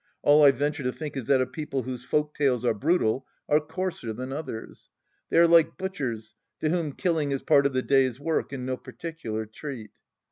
All I venture to think is that a people whose folk tales are brutal are coarser than others. They are like butchers, to whom killing is part of the day's work and no particular treat.